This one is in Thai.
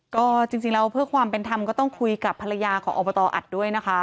ก็จริงแล้วเพื่อความเป็นธรรมก็ต้องคุยกับภรรยาของอบตอัดด้วยนะคะ